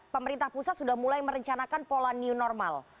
pemerintah pusat sudah mulai merencanakan pola new normal